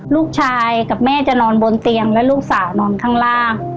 ลูกชายกับแม่จะนอนบนเตียงและลูกสาวนอนข้างล่าง